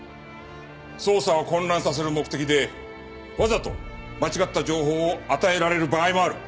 捜査を混乱させる目的でわざと間違った情報を与えられる場合もある。